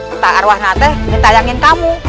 atau arwahnya nanti mau tayang kamu